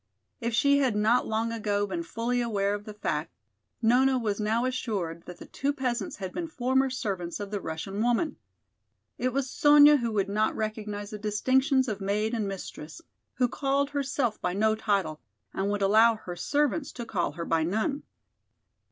If she had not long ago been fully aware of the fact, Nona was now assured that the two peasants had been former servants of the Russian woman. It was Sonya who would not recognize the distinctions of maid and mistress, who called herself by no title and would allow her servants to call her by none.